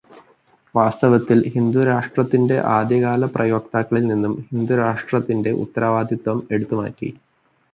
വാസ്തവത്തില് ഹിന്ദുരാഷ്ട്രത്തിന്റെ ആദ്യകാലപ്രയോക്താക്കളില് നിന്നും ഹിന്ദുത്വരാഷ്ട്രീയത്തിന്റെ ഉത്തരവാദിത്വം എടുത്തു മാറ്റി